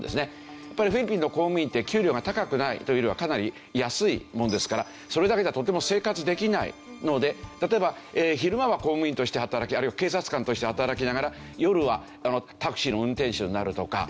やっぱりフィリピンの公務員って給料が高くないというよりはかなり安いものですからそれだけではとても生活できないので例えば昼間は公務員として働きあるいは警察官として働きながら夜はタクシーの運転手になるとか。